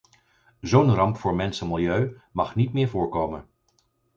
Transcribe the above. Zo'n ramp voor mens en milieu mag niet meer voorkomen.